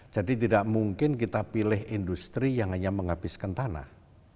jadi tidak mungkin kita pilih industri yang hanya menghabiskan tanah